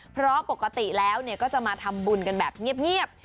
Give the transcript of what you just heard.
เพราะปกติแล้วก็จะมาทำบุญกันแบบเงียบ